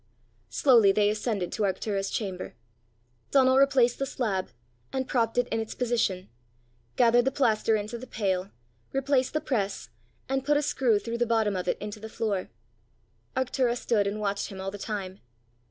Slowly they ascended to Arctura's chamber. Donal replaced the slab, and propped it in its position; gathered the plaster into the pail; replaced the press, and put a screw through the bottom of it into the floor. Arctura stood and watched him all the time.